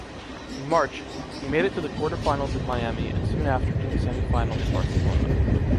In March, he made it to the quarterfinals in Miami and soon after to the semifinal in Barcelona.